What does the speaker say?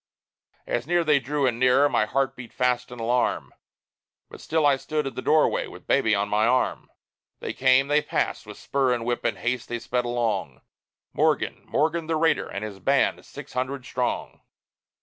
As near they drew and nearer, my heart beat fast in alarm; But still I stood in the doorway with baby on my arm. They came; they passed; with spur and whip in haste they sped along Morgan, Morgan the raider, and his band, six hundred strong.